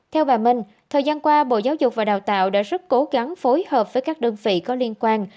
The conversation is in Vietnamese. theo bà minh thời gian qua bộ giáo dục và đào tạo đã rất cố gắng phối hợp với các đơn vị có liên quan